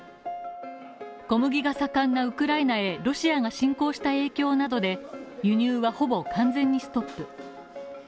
小麦が盛んなウクライナロシアが侵攻した影響などで輸入はほぼ完全にストップ。